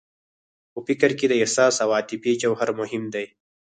په فکر کې د احساس او عاطفې جوهر مهم دی.